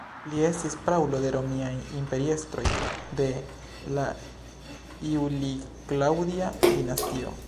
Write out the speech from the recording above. Li estis praulo de Romiaj imperiestroj de la Juli-Klaŭdia dinastio.